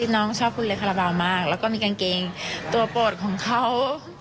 น้องชอบคุยอะไรคาราบาลมากแล้วก็มีกางเกงตัวโปรดของเขา